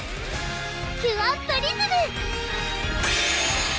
キュアプリズム！